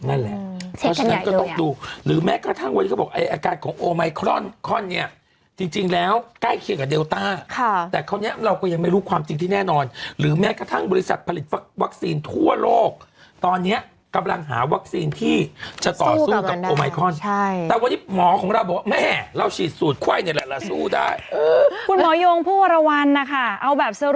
นั่นแหละเพราะฉะนั้นก็ต้องดูหรือแม้กระทั่งวันนี้เขาบอกไออากาศของโอไมครอนเนี่ยจริงแล้วใกล้เคลียร์กับเดลต้าแต่คราวนี้เราก็ยังไม่รู้ความจริงที่แน่นอนหรือแม้กระทั่งบริษัทผลิตวัคซีนทั่วโลกตอนนี้กำลังหาวัคซีนที่จะต่อสู้กับโอไมครอนแต่วันนี้หมอของเราบอกแม่เราฉีดสูตรไข้